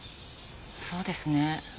そうですね。